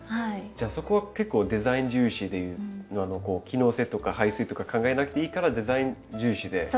じゃあそこは結構デザイン重視で機能性とか排水とか考えなくていいからデザイン重視で。